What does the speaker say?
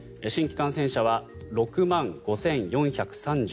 新規感染者は６万５４３８人。